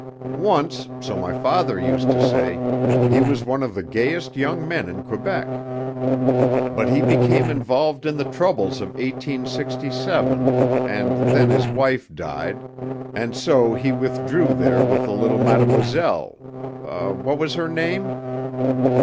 "Once, so my father used to say, he was one of the gayest young men in Quebec. But he became involved in the troubles of 1867 and then his wife died, and so lie withdrew there with the little mademoiselle what was her name?"